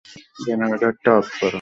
জেনারেটরটা off করো!